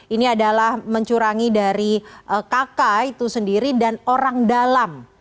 ini adalah mencurangi dari kakak itu sendiri dan orang dalam